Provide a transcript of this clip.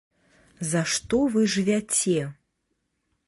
За што вы жывяце?